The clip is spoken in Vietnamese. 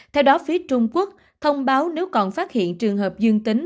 theo đó phía trung quốc thông báo nếu còn phát hiện trường hợp dương tính